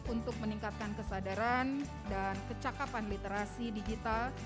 untuk meningkatkan kesadaran dan kecakapan literasi digital